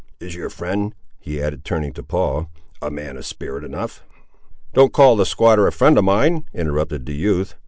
Is your friend," he added, turning to Paul, "a man of spirit enough?" "Don't call the squatter a friend of mine!" interrupted the youth.